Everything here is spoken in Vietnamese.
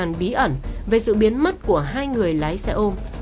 nhưng cũng giúp đỡ các màn bí ẩn về sự biến mất của hai người lái xe ôm